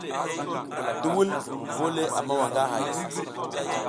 Duwul bole a mawa nga hay.